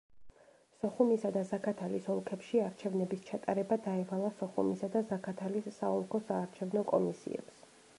სოხუმისა და ზაქათალის ოლქებში არჩევნების ჩატარება დაევალა სოხუმისა და ზაქათალის საოლქო საარჩევნო კომისიებს.